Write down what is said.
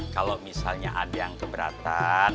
kalau misalnya ada yang keberatan